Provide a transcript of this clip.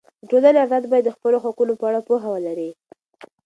د ټولنې افراد باید د خپلو حقونو په اړه پوهه ولري.